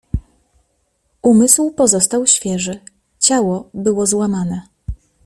"Umysł pozostał świeży, ciało było złamane."